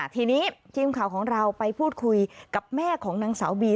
ทีนี้ทีมข่าวของเราไปพูดคุยกับแม่ของนางสาวบี